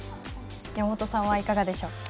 山本さんはいかがですか。